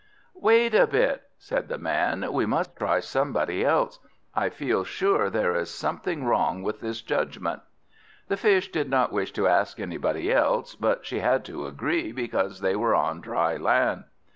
"Wait a bit," said the Man, "we must try somebody else. I feel sure there is something wrong with this judgment." The Fish did not wish to ask anybody else, but she had to agree, because they were on dry land.